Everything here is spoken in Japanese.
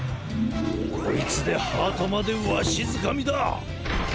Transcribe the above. こいつでハートまでわしづかみだ！